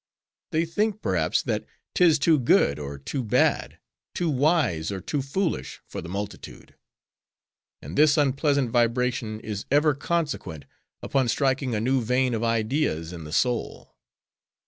They think, perhaps, that 'tis too good, or too bad; too wise, or too foolish, for the multitude. And this unpleasant vibration is ever consequent upon striking a new vein of ideas in the soul.